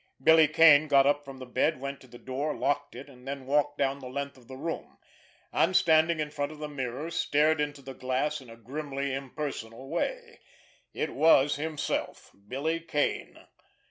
Billy Kane got up from the bed, went to the door, locked it, and then walked down the length of the room—and standing in front of the mirror stared into the glass in a grimly impersonal way. It was himself—Billy Kane.